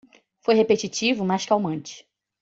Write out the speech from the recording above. Foi repetitivo? mas calmante.